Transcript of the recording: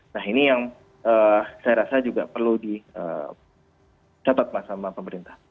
nah ini yang saya rasa juga perlu dicatat mas sama pemerintah